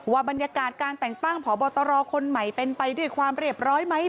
บรรยากาศการแต่งตั้งพบตรคนใหม่เป็นไปด้วยความเรียบร้อยไหม